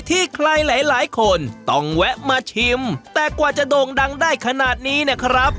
ที่ใครหลายหลายคนต้องแวะมาชิมแต่กว่าจะโด่งดังได้ขนาดนี้เนี่ยครับ